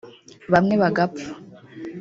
bamwe bagapfa